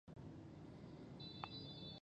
د ګېزو علاقه داره.